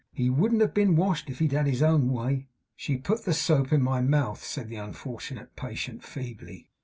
He wouldn't have been washed, if he'd had his own way.' 'She put the soap in my mouth,' said the unfortunate patient feebly.